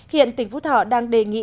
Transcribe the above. hiện tỉnh phú thọ đang đề nghị